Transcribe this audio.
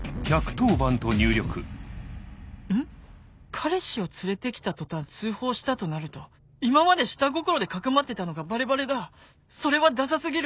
彼氏を連れて来た途端通報したとなると今まで下心で匿ってたのがバレバレだそれはダサ過ぎる